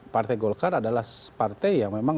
partai golkar adalah partai yang memang